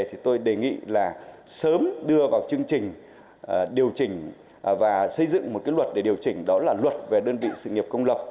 thì tôi đề nghị là sớm đưa vào chương trình điều chỉnh và xây dựng một cái luật để điều chỉnh đó là luật về đơn vị sự nghiệp công lập